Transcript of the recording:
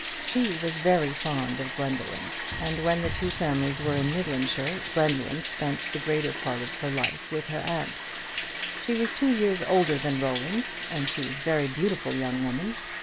She was very fond of Gwendoline; and when the two families were in Midlandshire, Gwendoline spent the greater part of her life with her aunt. She was two years older than Roland, and she was a very beautiful young woman.